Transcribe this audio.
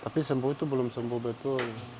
tapi sembuh itu belum sembuh betul